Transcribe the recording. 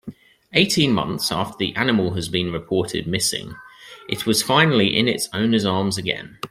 Eighteen months after the animal has been reported missing it was finally in its owner's arms again.